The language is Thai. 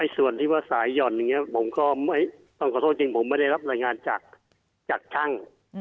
ส่วนที่ว่าสายหย่อนอย่างนี้ผมก็ต้องขอโทษจริงผมไม่ได้รับรายงานจากช่าง